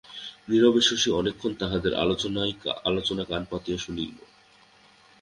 নীরবে শশী অনেক্ষণ তাহাদের আলোচনা কান পাতিয়া শুনিল।